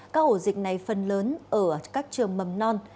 các ổ dịch này phần lớn ở các trường mầm non